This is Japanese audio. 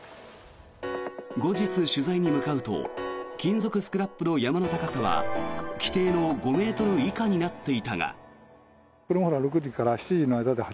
後日、取材に向かうと金属スクラップの山の高さは規定の５ｍ以下になっていたが。